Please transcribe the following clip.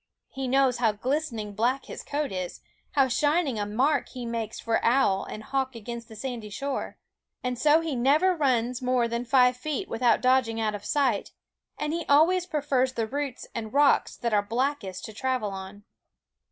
He knows how glistening black his coat is, how shining a mark he makes for owl and hawk against the sandy shore; and so he never runs more than five feet without dodging out of sight; and he always pre fers the roots and rocks that are blackest to travel on.